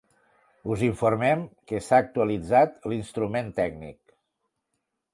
Us informem que s'ha actualitzat l'instrument tècnic.